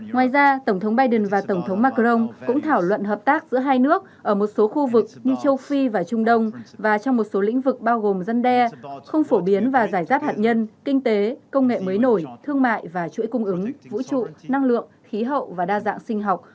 ngoài ra tổng thống biden và tổng thống macron cũng thảo luận hợp tác giữa hai nước ở một số khu vực như châu phi và trung đông và trong một số lĩnh vực bao gồm dân đe không phổ biến và giải giáp hạt nhân kinh tế công nghệ mới nổi thương mại và chuỗi cung ứng vũ trụ năng lượng khí hậu và đa dạng sinh học